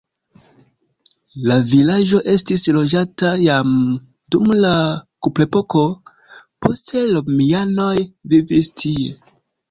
La vilaĝo estis loĝata jam dum la kuprepoko, poste romianoj vivis tie.